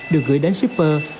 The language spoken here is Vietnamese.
được gửi đến shipper